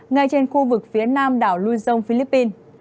ngay trên khu vực phía nam đảo lui dông philippines